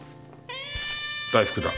大福だ。